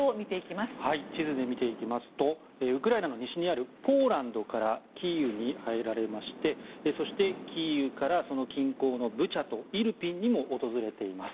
地図で見ていきますとウクライナの西にあるポーランドからキーウに入られましてそして、キーウからその近郊のブチャとイルピンにも訪れています。